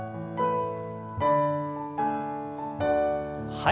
はい。